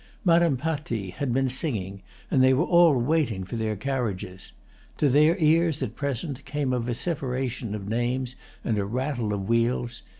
Madame Patti had been singing, and they were all waiting for their carriages. To their ears at present came a vociferation of names and a rattle of wheels.